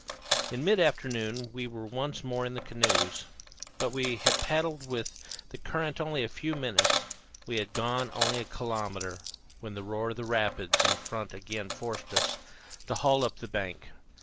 In mid afternoon we were once more in the canoes; but we had paddled with the current only a few minutes, we had gone only a kilometre, when the roar of rapids in front again forced us to haul up to the bank.